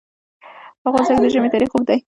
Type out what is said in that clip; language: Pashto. په افغانستان کې د ژمی تاریخ اوږد دی.